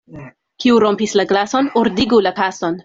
Kiu rompis la glason, ordigu la kason.